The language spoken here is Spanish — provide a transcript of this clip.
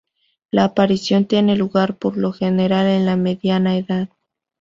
La aparición tiene lugar por lo general en la mediana edad.